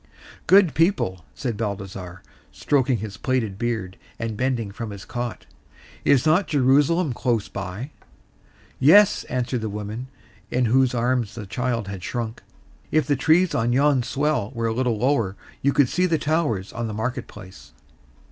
"Good people," said Balthasar, stroking his plaited beard, and bending from his cot, "is not Jerusalem close by?" "Yes," answered the woman into whose arms the child had shrunk. "If the trees on yon swell were a little lower you could see the towers on the market place."